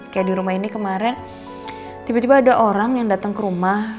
kayak di rumah ini kemarin tiba tiba ada orang yang datang ke rumah